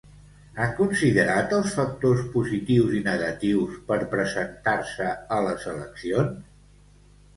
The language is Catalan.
Han considerat els factors positius i negatius per presentar-se a les eleccions?